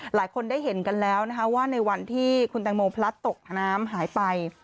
หลายคนได้เห็นกันแล้วนะคะว่าในวันที่คุณแตงโมพลัดตกน้ำหายไป